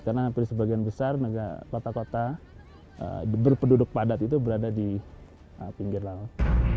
karena hampir sebagian besar negara kota kota berpeduduk padat itu berada di pinggir laut